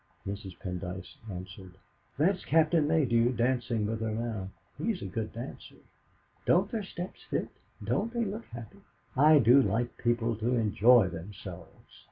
Mrs. Pendyce answered: "That's Captain Maydew dancing with her now. He is a good dancer. Don't their steps fit? Don't they look happy? I do like people to enjoy themselves!